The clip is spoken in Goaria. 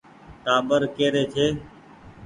ٽآٻر ڪي ري ڇي ۔